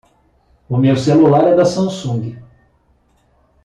O meu celular é da Samsung.